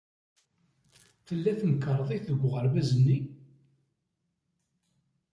Tella temkarḍit deg uɣerbaz-nni?